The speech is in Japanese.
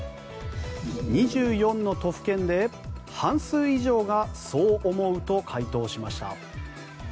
２４の都府県で半数以上がそう思うと回答しました。